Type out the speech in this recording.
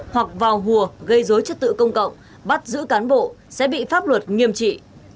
hoặc vào hùa gây dối chất tự công cộng bắt giữ cán bộ sẽ bị pháp luật nghiêm trị